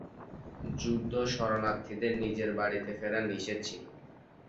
যুদ্ধ শরণার্থীদের নিজের বাড়িতে ফেরা নিষেধ ছিল।